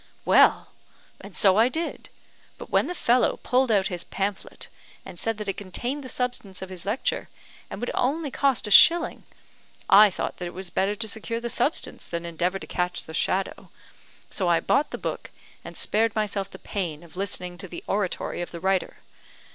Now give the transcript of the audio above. "Well, and so I did; but when the fellow pulled out his pamphlet, and said that it contained the substance of his lecture, and would only cost a shilling, I thought that it was better to secure the substance than endeavour to catch the shadow so I bought the book, and spared myself the pain of listening to the oratory of the writer.